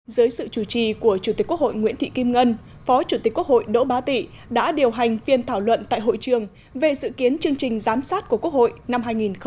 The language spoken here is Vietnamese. dưới sự chủ trì của chủ tịch quốc hội nguyễn thị kim ngân phó chủ tịch quốc hội đỗ bá tị đã điều hành phiên thảo luận tại hội trường về dự kiến chương trình giám sát của quốc hội năm hai nghìn hai mươi